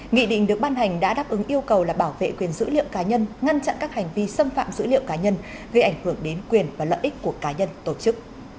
nghị định được ban hành đã đáp ứng yêu cầu là bảo vệ quyền dữ liệu cá nhân ngăn chặn các hành vi xâm phạm dữ liệu cá nhân gây ảnh hưởng đến quyền và lợi ích của cá nhân tổ chức